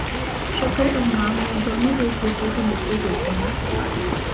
شکل اور نام میں دونوں ایک دوسرے سے ملتے جلتے ہیں